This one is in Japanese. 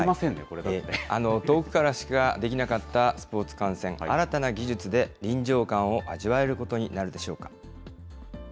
遠くからしかできなかったスポーツ観戦、新たな技術で臨場感を味わえることになるでしょうか。